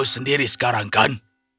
kau sendiri sekarang kan